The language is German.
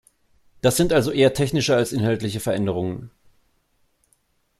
Das sind also eher technische als inhaltliche Veränderungen.